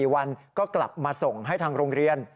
๔วันก็กลับมาส่งให้ทางโรงเรียน